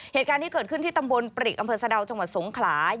เหตุการณ์ที่เกิดขึ้นที่ตำบลปริกอำเภอสะดาวจังหวัดสงขลา